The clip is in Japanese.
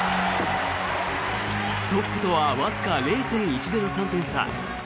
トップとはわずか０．１０３点差。